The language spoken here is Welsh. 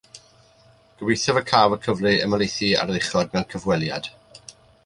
Gobeithiaf y caf y cyfle i ymhelaethu ar yr uchod mewn cyfweliad